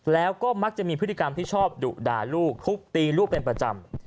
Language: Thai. แล้วก็มักจะมีพฤติกรรมที่ชอบดุด่าลูกทุบตีลูกเป็นประจำ